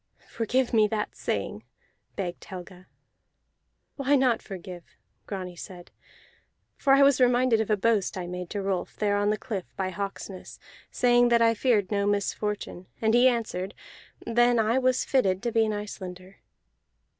"Forgive me that saying," begged Helga. "Why not forgive?" Grani said. "For I was reminded of a boast I made to Rolf there on the cliff by Hawksness, saying that I feared no misfortune. And he answered: Then I was fitted to be an Icelander.